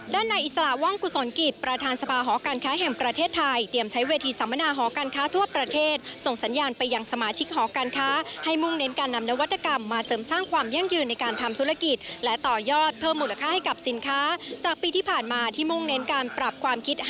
ในอิสระว่างกุศลกิจประธานสภาหอการค้าแห่งประเทศไทยเตรียมใช้เวทีสัมมนาหอการค้าทั่วประเทศส่งสัญญาณไปยังสมาชิกหอการค้าให้มุ่งเน้นการนำนวัตกรรมมาเสริมสร้างความยั่งยืนในการทำธุรกิจและต่อยอดเพิ่มมูลค่าให้กับสินค้าจากปีที่ผ่านมาที่มุ่งเน้นการปรับความคิด